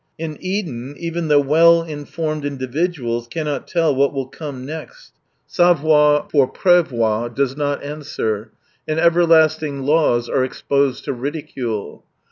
In Eden, even the well informed individuals eannot tell what will come next, savoir 21 pour ■prhoir does not answer, and ever lasting laws are exposed to ridicule.